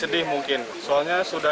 petugas menangkap rakyat di rumah